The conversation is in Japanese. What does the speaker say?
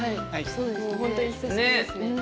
もう本当に久しぶりですね。